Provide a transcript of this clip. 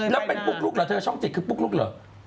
แล้วเป็นปุ๊กลุ๊กเหรอเธอช่อง๗คือปุ๊กลุ๊กเหรอ